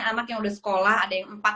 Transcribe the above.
anak yang udah sekolah ada yang